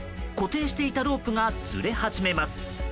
固定していたロープがずれ始めます。